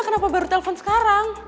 kenapa baru telfon sekarang